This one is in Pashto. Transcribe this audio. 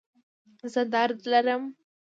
زه درد لرم